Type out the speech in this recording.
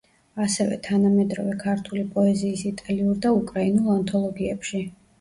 ასევე თანამედროვე ქართული პოეზიის იტალიურ და უკრაინულ ანთოლოგიებში.